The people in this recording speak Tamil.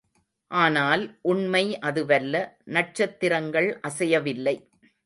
ஆனால், உண்மை அதுவல்ல, நட்சத்திரங்கள் அசையவில்லை.